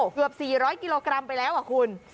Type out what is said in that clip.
เกือบ๔๐๐กิโลกรัมไปแล้วคุณ